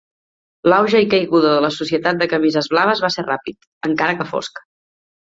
L'auge i caiguda de la Societat de Camises Blaves va ser ràpid, encara que fosc.